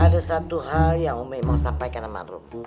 ada satu hal yang umie mau sampaikan sama rum